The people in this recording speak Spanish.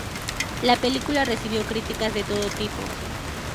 La película recibió críticas de todo tipo.